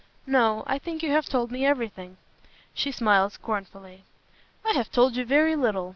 "No. I think you have told me everything." She smiled scornfully. "I have told you very little.